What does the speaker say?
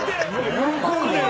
喜んでる！